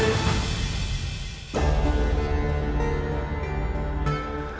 kami akan menjaga keamananmu